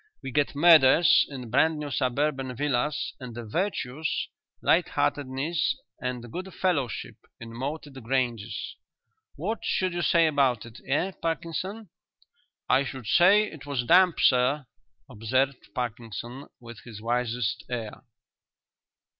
We get murders in brand new suburban villas and the virtues, light heartedness and good fellowship, in moated granges. What should you say about it, eh, Parkinson?" "I should say it was damp, sir," observed Parkinson, with his wisest air.